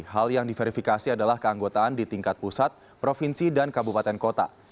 hal yang diverifikasi adalah keanggotaan di tingkat pusat provinsi dan kabupaten kota